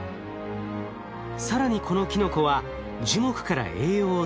更にこのキノコは樹木から栄養をとり成長します。